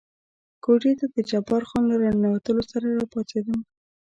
کوټې ته د جبار خان له را ننوتلو سره را پاڅېدم.